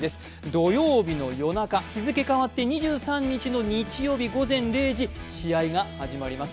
土曜日の夜中、日付変わって２３日の日曜日、午前０時、試合が始まります。